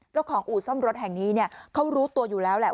เจ้าของอู่ซ่อมรถแห่งนี้เขารู้ตัวอยู่แล้วแหละ